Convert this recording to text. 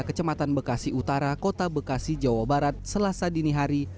kecematan bekasi utara kota bekasi jawa barat selasa dinihari